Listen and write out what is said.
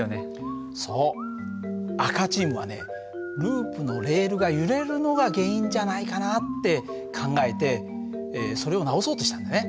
ループのレールが揺れるのが原因じゃないかなって考えてそれを直そうとしたんだね。